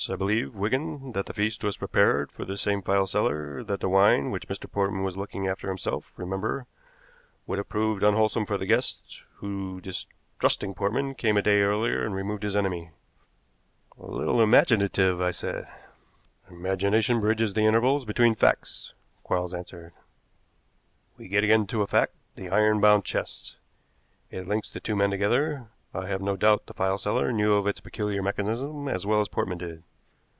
I believe, Wigan, that the feast was prepared for this same file seller, that the wine, which Mr. Portman was looking after himself, remember, would have proved unwholesome for the guest, who, distrusting Portman, came a day earlier and removed his enemy." "A little imaginative," I said. "Imagination bridges the intervals between facts," Quarles answered. "We get again to a fact the iron bound chest. It links the two men together. I have no doubt the file seller knew of its peculiar mechanism as well as Portman did.